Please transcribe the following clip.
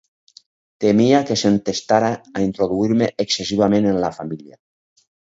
Temia que s’entestara a introduir-me excessivament en la família.